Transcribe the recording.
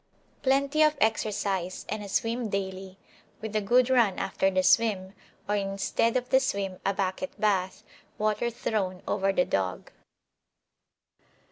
Plenty of exercise and a swim daily (with a good run after the swim), or instead of the swim a bucket bath water thrown over the dog.